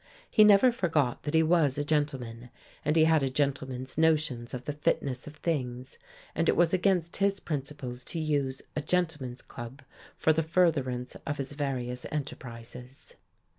He never forgot that he was a gentleman, and he had a gentleman's notions of the fitness of things, and it was against his principles to use, a gentleman's club for the furtherance of his various enterprises.